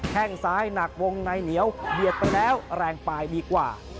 แค่งซ้ายหนักวงในเหนียวเบียดไปแล้วแรงปลายดีกว่า